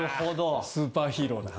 スーパーヒーローだ。